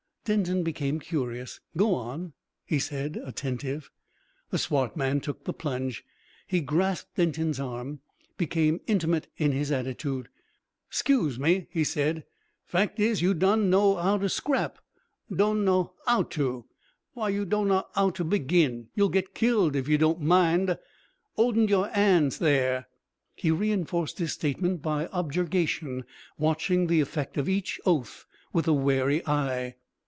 Denton became curious. "Go on," he said, attentive. The swart man took the plunge. He grasped Denton's arm, became intimate in his attitude. "'Scuse me," he said. "Fact is, you done know 'ow to scrap. Done know 'ow to. Why you done know 'ow to begin. You'll get killed if you don't mind. 'Ouldin' your 'ands There!" He reinforced his statement by objurgation, watching the effect of each oath with a wary eye.